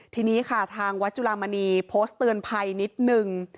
ทีนี้ค่ะทางวัดจุลามณีโพสต์เตือนภัยนิดนึง